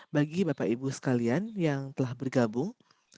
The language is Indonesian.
bagi bapak ibu sekalian yang telah bergabung